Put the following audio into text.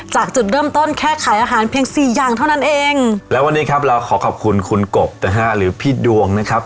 จากจุดเริ่มต้นแค่ขายอาหารเพียงสี่อย่างเท่านั้นเองแล้ววันนี้ครับเราขอขอบคุณคุณกบนะฮะหรือพี่ดวงนะครับ